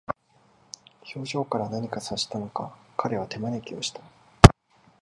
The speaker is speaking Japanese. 表情から何か察したのか、彼は手招きをした。